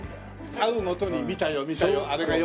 会うごとに「見たよ見たよ」